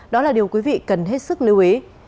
đó là điều quý vị cần hết sức lưu ý